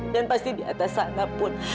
dan pasti di atas sana pun